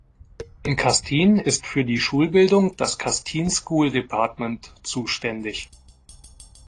In Castine ist für die Schulbildung das Castine School Department zuständig.